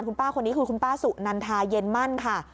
คุณป้าคนนี้คือคุณป้าสุนันทาเย็นมั่นค่ะ